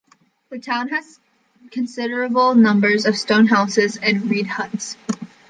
The town had considerable numbers of stone houses and reed huts.